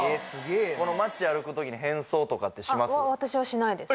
街歩くときに変装とかってします？